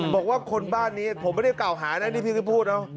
บอกว่าคนบ้านนี้ผมไม่ได้กล่าวหานะนี่พี่ก็พูดเนอะ